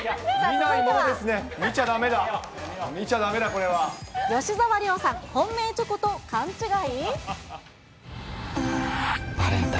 見ちゃだめだ、見ちゃだめだ、吉沢亮さん、本命チョコと勘違い？